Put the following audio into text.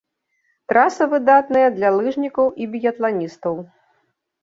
Траса выдатныя для лыжнікаў і біятланістаў.